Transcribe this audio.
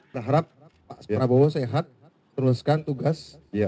saya harap pak prabowo sehat teruskan tugas